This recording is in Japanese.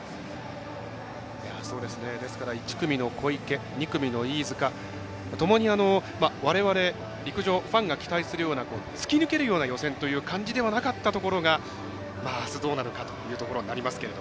ですから１組の小池、２組の飯塚ともに、われわれ、陸上ファンが期待するような突き抜けるような予選という感じではなかったところがあすどうなるかというところにはなりますけど。